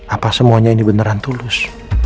apa semuanya ini beneran tulus